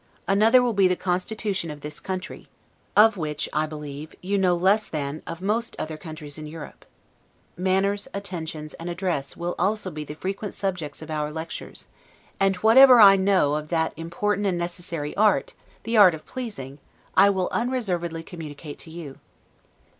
Another will be the constitution of this country, of which, I believe, you know less than of most other countries in Europe. Manners, attentions, and address, will also be the frequent subjects of our lectures; and whatever I know of that important and necessary art, the art of pleasing. I will unreservedly communicate to you.